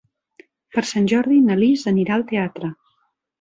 Per Sant Jordi na Lis anirà al teatre.